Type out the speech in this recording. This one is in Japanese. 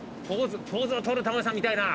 ポーズをとるタモリさん見たいな。